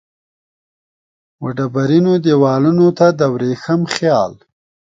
وډبرینو دیوالونو ته د وریښم خیال